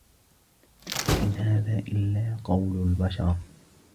إِنْ هَذَا إِلَّا قَوْلُ الْبَشَرِ